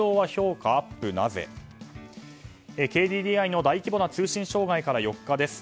ＫＤＤＩの大規模な通信障害から４日です。